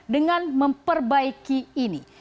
dengan memperbaiki ini